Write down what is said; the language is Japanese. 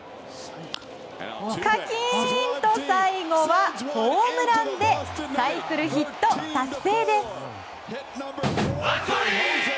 カキーン！と最後はホームランでサイクルヒット達成です。